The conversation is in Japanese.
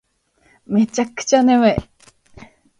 めちゃくちゃ眠い